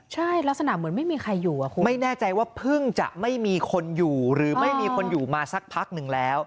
ใช่ลักษณะเหมือนไม่มีใครอยู่อ่ะคุณไม่แน่ใจว่าเพิ่งจะไม่มีคนอยู่หรือไม่มีคนอยู่มาสักพักหนึ่งแล้ว